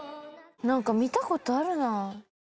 なんか見た事あるな。